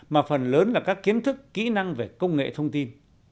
mà phần lớn là các kiến thức kỹ năng về công nghệ thông tin